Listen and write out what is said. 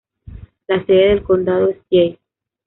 La sede del condado es Jay.